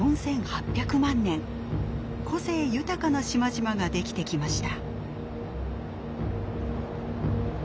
個性豊かな島々ができてきました。